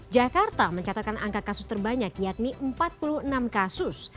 jakarta mencatatkan angka kasus terbanyak yakni empat puluh enam kasus